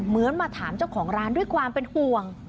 เหมือนมาถามเจ้าของร้านด้วยความเป็นห่วง